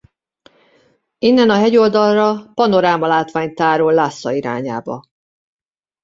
Innen a hegyoldalra panoráma látvány tárul Lhásza irányába.